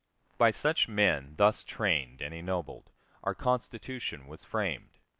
By such men, thus trained and ennobled, our Constitution was framed.